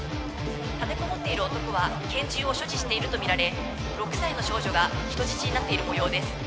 立てこもっている男は拳銃を所持しているとみられ６歳の少女が人質になっているもようです